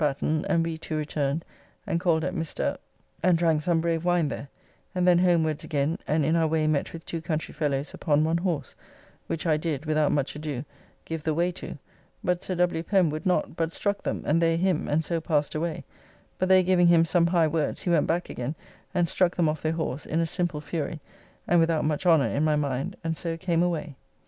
Batten, and we two returned and called at Mr. and drank some brave wine there, and then homewards again and in our way met with two country fellows upon one horse, which I did, without much ado, give the way to, but Sir W. Pen would not, but struck them and they him, and so passed away, but they giving him some high words, he went back again and struck them off their horse, in a simple fury, and without much honour, in my mind, and so came away.